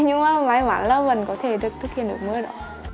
nhưng mà may mắn là vẫn có thể được thực hiện ước mơ đó